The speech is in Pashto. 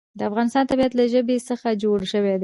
د افغانستان طبیعت له ژبې څخه جوړ شوی دی.